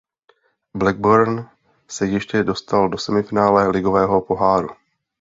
Blackburn se ještě dostal do semifinále Ligového poháru.